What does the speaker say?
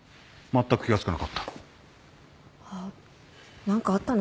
まったく気が付かなかった。